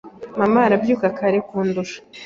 Mama arabyuka kare kundusha.